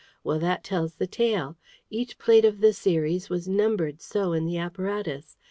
Well, that tells the tale. Each plate of the series was numbered so in the apparatus.